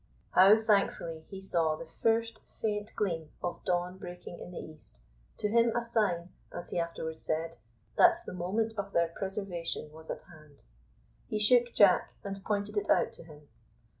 How thankfully he saw the first faint gleam of dawn breaking in the east, to him a sign, as he afterwards said, that the moment of their preservation was at hand. He shook Jack, and pointed it out to him.